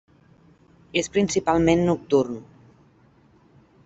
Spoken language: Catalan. És principalment nocturn.